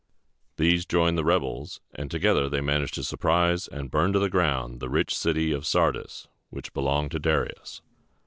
These joined the rebels, and together they managed to surprise and burn to the ground the rich city of Sar´dis, which belonged to Darius.